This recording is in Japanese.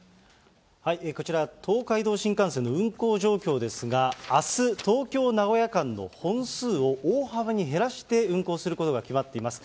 こちら東海道新幹線の運行状況ですが、あす、東京・名古屋間の本数を大幅に減らして運行することが決まっています。